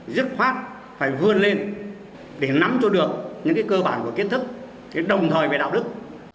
dứt khoát phải vươn lên để nắm cho được những cơ bản của kiến thức đồng thời về đạo đức